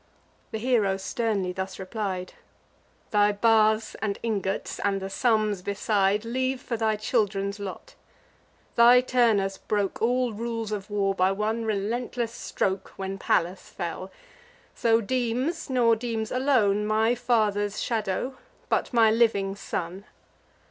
The hero sternly thus replied: "Thy bars and ingots, and the sums beside, Leave for thy children's lot. Thy Turnus broke All rules of war by one relentless stroke, When Pallas fell: so deems, nor deems alone My father's shadow, but my living son."